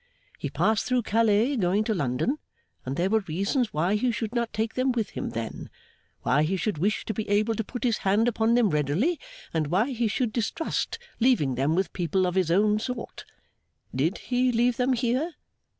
He passed through Calais going to London, and there were reasons why he should not take them with him then, why he should wish to be able to put his hand upon them readily, and why he should distrust leaving them with people of his own sort. Did he leave them here?